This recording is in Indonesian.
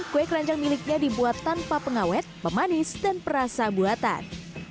kue keranjang miliknya dibuat tanpa pengawet pemanis dan perasa buatan